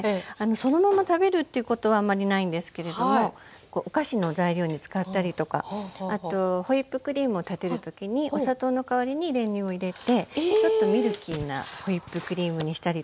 そのまま食べるっていうことはあんまりないんですけれどもお菓子の材料に使ったりとかあとホイップクリームを立てる時にお砂糖の代わりに練乳を入れてちょっとミルキーなホイップクリームにしたりとか。